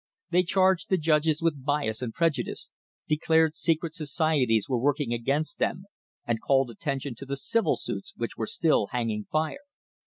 They charged the judges with bias and prejudice, declared secret societies were working against them, and called attention to the civil suits which were still hanging fire.